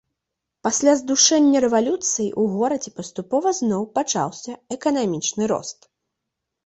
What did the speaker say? Пасля здушэння рэвалюцыі ў горадзе паступова зноў пачаўся эканамічны рост.